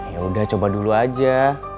yaudah coba dulu aja